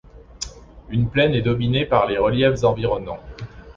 Une plaine est dominée par les reliefs environnants.